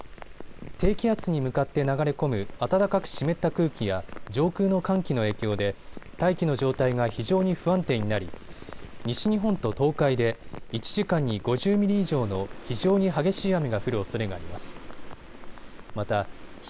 低気圧に向かって流れ込む暖かく湿った空気や上空の寒気の影響で大気の状態が非常に不安定になり、西日本と東海で１時間に５０ミリ以上の非常に激しい雨が降るおそれがあります。